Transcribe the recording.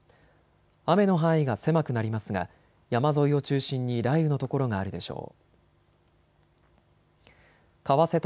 雨の範囲が狭くなりますが山沿いを中心に雷雨の所があるでしょう。